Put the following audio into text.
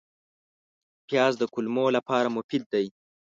پیاز د کولمو لپاره مفید دی